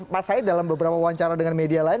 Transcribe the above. mas said dalam beberapa wawancara dengan media lain